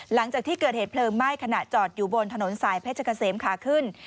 หลังจากที่เกิดเหตุเพลิงไหม้ขณะจอดอยู่บนถนนสายเพชรเกษมขาขึ้น